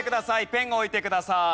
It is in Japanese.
ペンを置いてください。